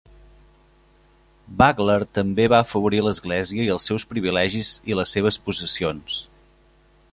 Bagler també va afavorir l"església i els seus privilegis i les seves possessions.